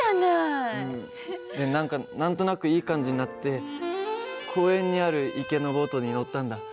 で何か何となくいい感じになって公園にある池のボートに乗ったんだ。